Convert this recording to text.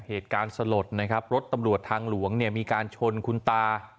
เหตุการณ์สลดนะครับรถตำรวจทางหลวงเนี่ยมีการชนคุณตา